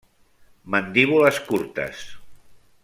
Mandíbules curtes.